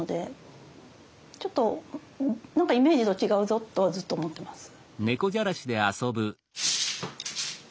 ちょっと何かイメージと違うぞとはずっと思ってます。